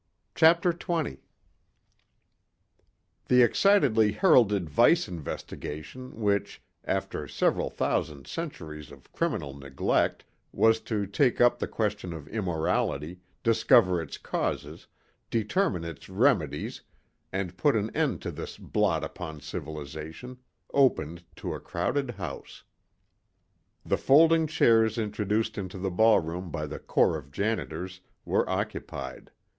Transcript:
Please...." 20 The excitedly heralded Vice Investigation which, after several thousand centuries of criminal neglect, was to take up the question of immorality, discover its causes, determine its remedies and put an end to this blot upon civilization, opened to a crowded house. The folding chairs introduced into the ball room by the corps of janitors were occupied.